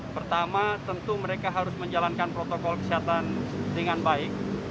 pertama tentu mereka harus menjalankan protokol kesehatan dengan baik